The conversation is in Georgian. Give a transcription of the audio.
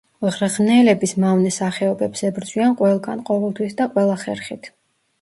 მღრღნელების მავნე სახეობებს ებრძვიან ყველგან, ყოველთვის და ყველა ხერხით.